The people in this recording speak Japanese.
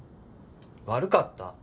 悪かった。